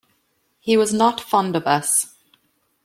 He was not fond of us.